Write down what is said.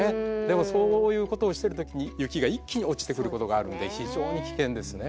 でもそういうことをしてる時に雪が一気に落ちてくることがあるので非常に危険ですね。